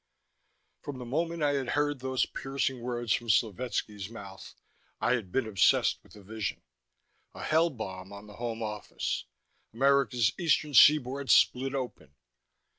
_" XI From the moment I had heard those piercing words from Slovetski's mouth, I had been obsessed with a vision. A Hell bomb on the Home Office. America's eastern seaboard split open.